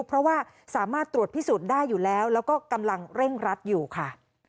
เพราะว่าสามารถตรวจพิสูจน์ได้อยู่แล้วแล้วก็กำลังเร่งรัดอยู่ค่ะ